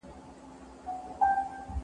زه کولای سم تمرين وکړم،